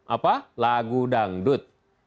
apa lagu dangdut